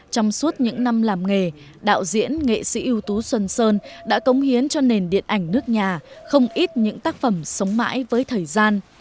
trong suốt những năm làm nghề đạo diễn nghệ sĩ ưu tú xuân sơn đã cống hiến cho nền điện ảnh nước nhà không ít những tác phẩm sống mãi với thời gian